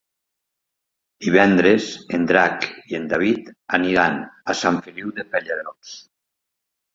Divendres en Drac i en David aniran a Sant Feliu de Pallerols.